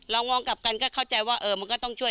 มองกลับกันก็เข้าใจว่ามันก็ต้องช่วย